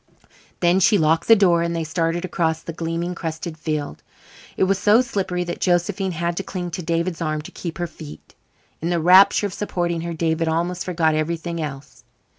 Then she locked the door and they started across the gleaming, crusted field. It was so slippery that Josephine had to cling to David's arm to keep her feet. In the rapture of supporting her David almost forgot everything else.